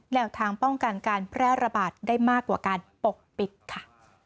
แนวทางป้องกันการแพร่ระบาดได้มากกว่าการปกปิดค่ะ